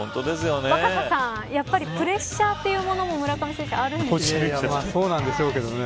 若狭さん、やっぱりプレッシャーというのも村上選手あるんでしょうね。